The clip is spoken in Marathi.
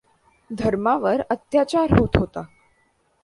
धर्मावर अत्याचार होत होता.